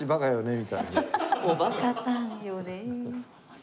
「おバカさんよね」